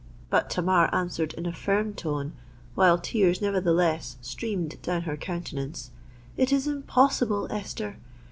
But Tamar answered in a firm tone, while tears nevertheless streamed down her countenance,—"It is impossible, Esther!